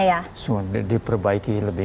ya semua diperbaiki lebih